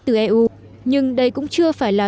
từ eu nhưng đây cũng chưa phải là